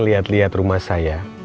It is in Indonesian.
lihat lihat rumah saya